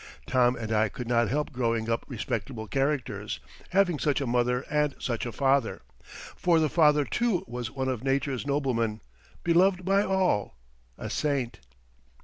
Tom and I could not help growing up respectable characters, having such a mother and such a father, for the father, too, was one of nature's noblemen, beloved by all, a saint.